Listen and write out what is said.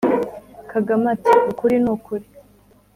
Kagame ati ukuli ni ukuli